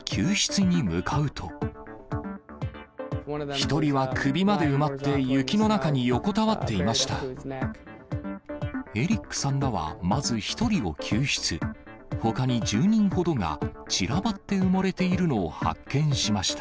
１人は首まで埋まって、雪の中に横たわっていました。